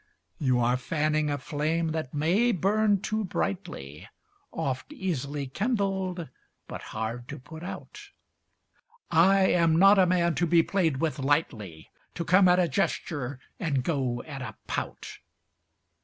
You are fanning a flame that may burn too brightly, Oft easily kindled, but hard to put out; I am not a man to be played with lightly, To come at a gesture and go at a pout.